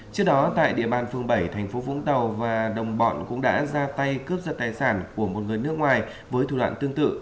trước đó tại địa bàn phường bảy thành phố vũng tàu và đồng bọn cũng đã ra tay cướp giật tài sản của một người nước ngoài với thủ đoạn tương tự